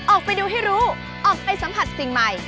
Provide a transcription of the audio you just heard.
ออกไปดูให้รู้ออกไปสัมผัสสิ่งใหม่